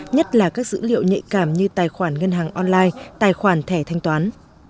nhất là các dữ liệu nhạy cảm như tài khoản ngân hàng online tài khoản thẻ thanh toán